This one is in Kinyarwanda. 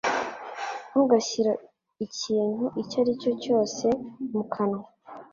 Ntugashyire ikintu icyo aricyo cyose mukanwa